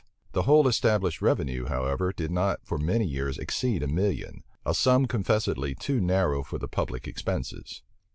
The whole established revenue, however, did not for many years exceed a million;[*] a sum confessedly too narrow for the public expenses.